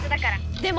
でも。